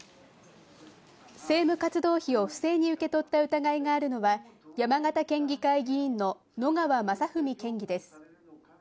政務活動費を不正に受け取った疑いがあるのは山形県議会議員の野川政文県議です。